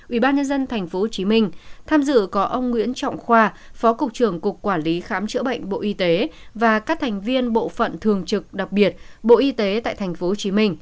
ubnd tp hcm tham dự có ông nguyễn trọng khoa phó cục trưởng cục quản lý khám chữa bệnh bộ y tế và các thành viên bộ phận thường trực đặc biệt bộ y tế tại tp hcm